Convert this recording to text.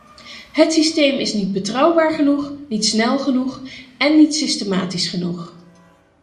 Het systeem is niet betrouwbaar genoeg, niet snel genoeg en niet systematisch genoeg.